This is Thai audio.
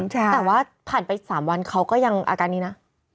แต่ว่าผ่านไป๓วันเขาก็ยังอาการนี้นะ